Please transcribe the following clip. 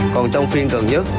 còn trong phiên gần nhất